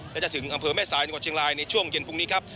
และจะถึงอำเภอแม่สายจังหวัดเชียงรายในช่วงเย็นพรุ่งนี้ครับ